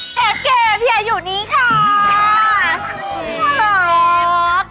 เชฟเกมอยู่นี้ค่ะ